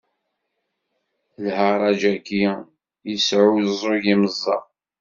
Lharaǧ-agi yesɛuẓug imeẓaɣ